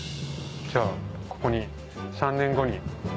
じゃあここに３年後に。